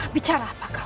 bicara apa kau